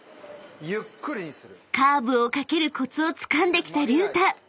［カーブをかけるコツをつかんできた隆太］